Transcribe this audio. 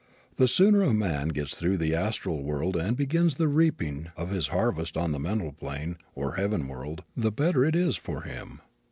The sooner a man gets through the astral world and begins the reaping of his harvest on the mental plane, or heaven world, the better it is for him.